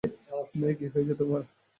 মেই, কী হয়েছে তোমার?